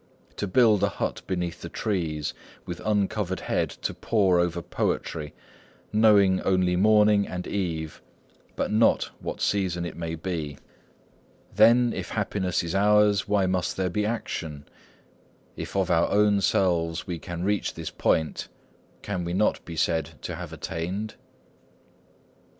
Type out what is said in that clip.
To build a hut beneath the pines, With uncovered head to pore over poetry, Knowing only morning and eve, But not what season it may be ... Then, if happiness is ours Why must there be Action? If of our own selves we can reach this point, Can we not be said to have attained?"